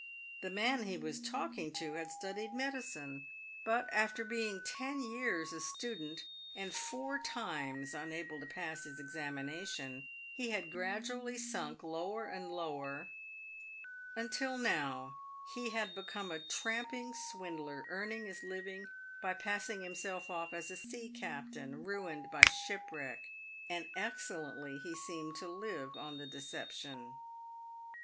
The man he was talking to had studied medicine, but, after being ten years a student, and four times unable to pass his examination, he had gradually sunk lower and lower, until now he had become a tramping swindler, earning his living by passing himself off as a sea captain ruined by shipwreck : and excellently he seemed to live on the deception.